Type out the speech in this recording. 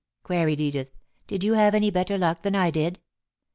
queried Edith. "Did you have any better luck than I did?"